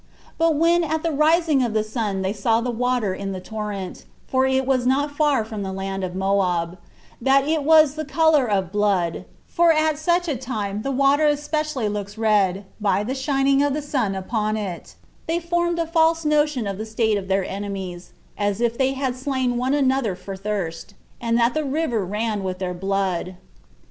But when at the rising of the sun they saw the water in the torrent, for it was not far from the land of Moab, and that it was of the color of blood, for at such a time the water especially looks red, by the shining of the sun upon it, they formed a false notion of the state of their enemies, as if they had slain one another for thirst; and that the river ran with their blood.